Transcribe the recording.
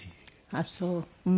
あっそう。